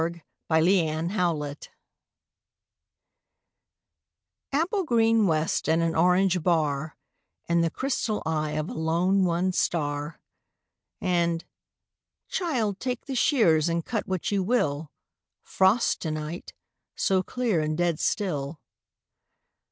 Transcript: Thomas "Frost To Night" APPLE GREEN west and an orange bar, And the crystal eye of a lone, one star …And, "Child, take the shears and cut what you will, Frost to night—so clear and dead still."